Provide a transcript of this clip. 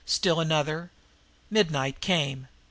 Still another. Midnight came.